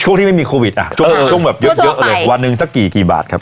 ช่วงที่ไม่มีโควิดอ่ะช่วงช่วงแบบเยอะเยอะเลยวันนึงสักกี่กี่บาทครับ